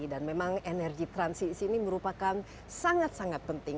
dan memang energi transisi ini merupakan sangat sangat penting